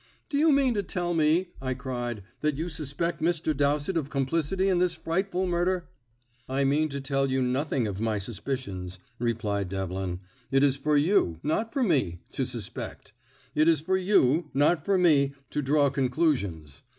"Do you mean to tell me," I cried, "that you suspect Mr. Dowsett of complicity in this frightful murder?" "I mean to tell you nothing of my suspicions," replied Devlin. "It is for you, not for me, to suspect. It is for you, not for me, to draw conclusions.